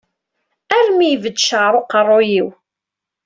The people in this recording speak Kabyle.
Armi ibedd ccɛer uqerru-iw.